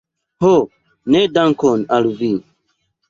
Ho ne dankon al vi!